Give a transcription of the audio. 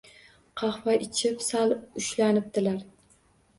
Qahva ichib sal ushlanibdilar